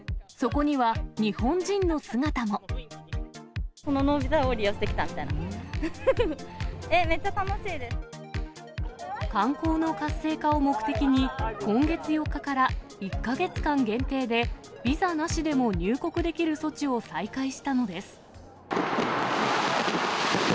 このノービザを利用して来た観光の活性化を目的に、今月４日から１か月間限定で、ビザなしでも入国できる措置を再開したのです。